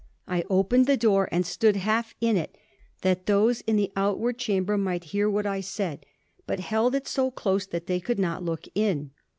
I opened the door^ and stood half in it, that those in the outward cham ber might hear what I said, but held it so close that they could not look in.